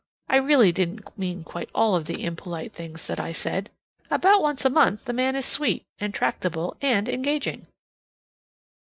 I really didn't mean quite all of the impolite things that I said. About once a month the man is sweet and tractable and engaging.